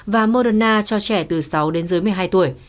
và moderna cho trẻ từ sáu đến dưới một mươi hai tuổi